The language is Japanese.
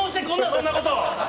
そんなこと！